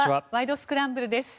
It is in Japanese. スクランブル」です。